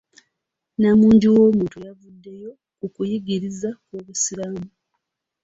Nnamungi w'omuntu yafuddeyo ku kuyigiriza kw'Obusiraamu.